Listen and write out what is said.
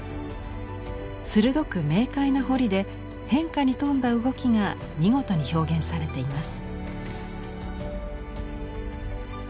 鋭く明快な彫りで変化に富んだ動きが見事に表現されています。